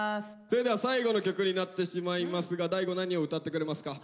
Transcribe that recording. それでは最後の曲になってしまいますが大吾何を歌ってくれますか？